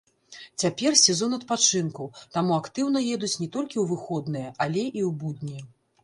Цяпер сезон адпачынкаў, таму актыўна едуць не толькі ў выходныя, але і ў будні.